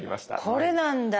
これなんだ。